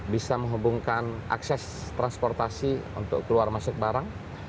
bisa menghubungkan akses transportasi untuk keluar masuk barang